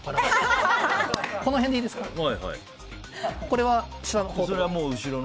この辺でいいですかね。